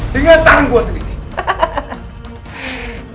dengan tangan gue sendiri